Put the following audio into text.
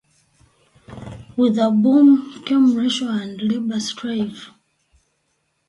With the boom came racial and labor strife.